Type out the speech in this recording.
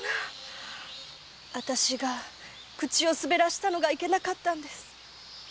私が口を滑らせたのがいけなかったんです。